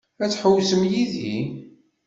Ad tḥewwsem yid-i?